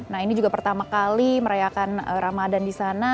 nah ini juga pertama kali merayakan ramadhan di sana